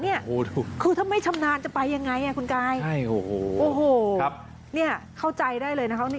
เนี่ยคือถ้าไม่ชำนาญจะไปยังไงคุณกายโอ้โหเนี่ยเข้าใจได้เลยนะครับ